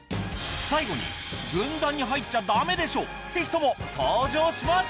最後に軍団に入っちゃダメでしょって人も登場します